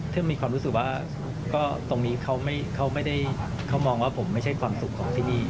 ถ้ามีความรู้สึกว่าก็ตรงนี้เขามองว่าผมไม่ใช่ความสุขของที่นี่